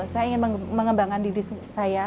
saya ingin mengembangkan diri saya